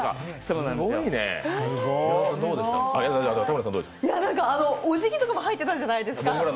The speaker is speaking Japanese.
最初、おじぎとかも入ってたじゃないですか。